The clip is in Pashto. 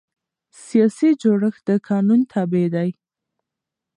سیاسي جوړښت د قانون تابع دی